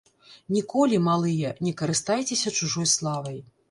Ніколі, малыя, не карыстайцеся чужой славай.